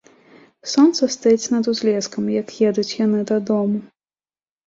Сонца стаіць над узлескам, як едуць яны дадому.